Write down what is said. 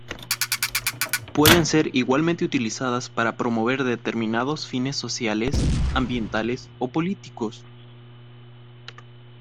Pueden ser igualmente utilizadas para promover determinados fines sociales, ambientales o políticos.